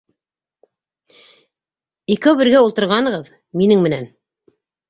— Икәубергә ултырғанғыҙ, Минең менән